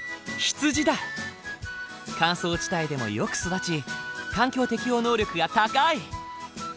乾燥地帯でもよく育ち環境適応能力が高い！